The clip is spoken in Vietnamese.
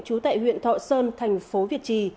chú tại huyện thọ sơn thành phố việt trì